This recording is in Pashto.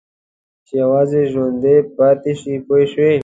چې یوازې ژوندي پاتې شي پوه شوې!.